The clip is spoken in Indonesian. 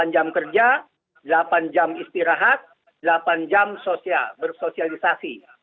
delapan jam kerja delapan jam istirahat delapan jam bersosialisasi